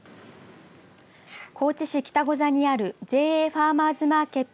高知市北御座にあるＪＡファーマーズマーケット